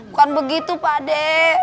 bukan begitu pakde